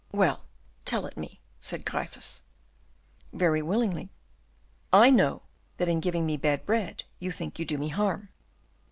"Well, tell it me," said Gryphus. "Very willingly. I know that in giving me bad bread you think you do me harm."